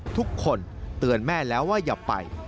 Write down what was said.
ทุกคนเตือนแม่แล้วว่าอย่าไป